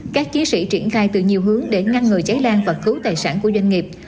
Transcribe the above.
các chiến sĩ triển khai từ nhiều hướng để ngăn ngừa cháy lan và cứu tài sản của doanh nghiệp